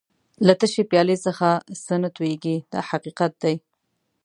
له تشې پیالې څخه څه نه تویېږي دا حقیقت دی.